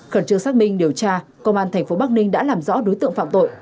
khẩn trương xác minh điều tra công an thành phố bắc ninh đã làm rõ đối tượng phạm tội